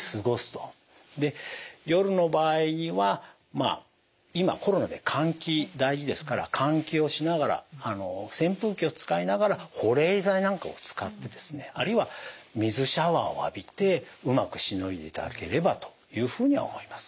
夜の場合は今コロナで換気大事ですから換気をしながら扇風機を使いながら保冷剤なんかを使ってですねあるいは水シャワーを浴びてうまくしのいでいただければというふうに思います。